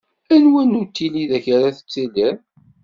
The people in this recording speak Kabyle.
Anwa nnutil ideg ara tettiliḍ?